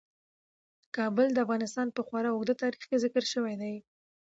کابل د افغانستان په خورا اوږده تاریخ کې ذکر دی.